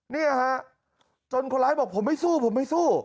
เนี่ยฮะจนคนร้ายบอกผมไม่สู้ผมไม่สู้